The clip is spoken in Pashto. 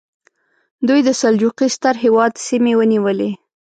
دوی د سلجوقي ستر هېواد سیمې ونیولې.